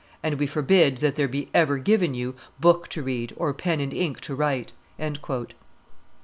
And we forbid that there be ever given you book to read or pen and ink to write."